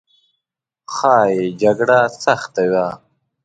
ښایي جګړه سخته وه.